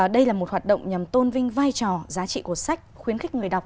đây là một hoạt động nhằm tôn vinh vai trò giá trị của sách khuyến khích người đọc